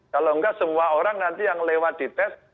kalau enggak semua orang nanti yang lewat dites